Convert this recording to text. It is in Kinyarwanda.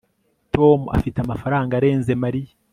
Tom afite amafaranga arenze Mariya